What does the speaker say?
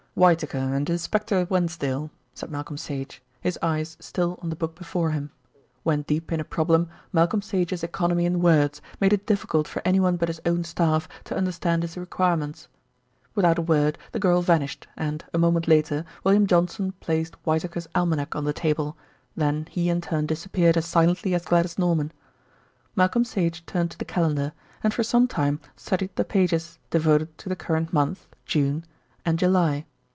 "Whitaker and Inspector Wensdale," said Malcolm Sage, his eyes still on the book before him. When deep in a problem Malcolm Sage's economy in words made it difficult for anyone but his own staff to understand his requirements. Without a word the girl vanished and, a moment later, William Johnson placed Whitaker's Almanack on the table, then he in turn disappeared as silently as Gladys Norman. Malcolm Sage turned to the calendar, and for some time studied the pages devoted to the current month (June) and July.